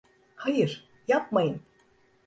Hayır, yapmayın!